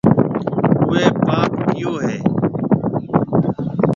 اوَي پاپ ڪيئو هيَ۔